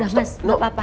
udah mas gak apa apa